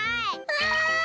わい！